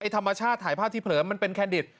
ธรรมชาติถ่ายภาพที่เผลอมันเป็นแคนดิต